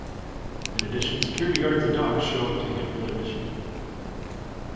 In addition, security guards and dogs show up to hamper the mission.